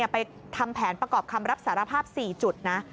ไปทำแผนประกอบคำรับสารภาพ๔จุดนะ